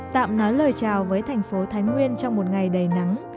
tạm nói lời chào với thành phố thái nguyên trong một ngày đầy nắng